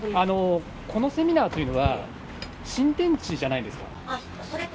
このセミナーというのは、新天地じゃないですか。